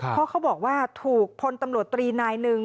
เพราะเขาบอกว่าถูกพลตำรวจตรีนายหนึ่ง